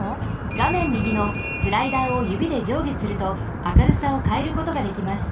がめんみぎのスライダーをゆびでじょうげすると明るさをかえることができます。